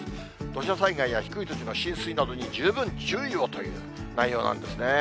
土砂災害や低い土地の浸水などに十分注意をという内容なんですね。